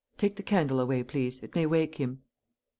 Take the candle away, please; it may wake him."